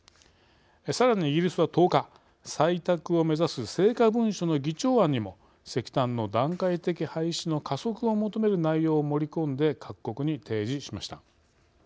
さらにイギリスは１０日採択を目指す成果文書の議長案にも石炭の段階的廃止の加速を求める内容を盛り込んで各国に提示しました。